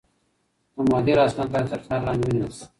د مدير اسناد بايد تر کار لاندې ونيول شي.